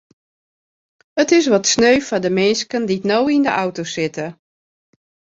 It is wat sneu foar de minsken dy't no yn de auto sitte.